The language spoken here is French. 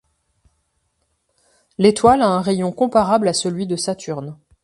L'étoile a un rayon comparable à celui de Saturne.